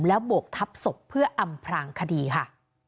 แล้วโบกทับศพเพื่ออำพรางคดีค่ะ